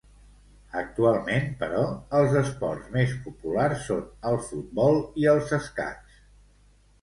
Actualment, però, els esports més populars són el futbol i els escacs.